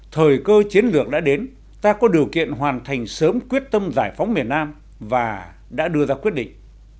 thời cơ chiến lược đã đến ta có điều kiện hoàn thành sớm quyết tâm giải phóng miền nam và đã đưa ra quyết định